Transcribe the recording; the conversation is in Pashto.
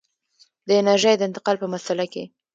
د انرژۍ د انتقال په مسأله کې.